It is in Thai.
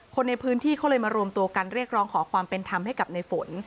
คนในพื้นที่เขาเลยมารวมตัวกันเรียกร้องขอความเป็นธรรมให้กับในฝน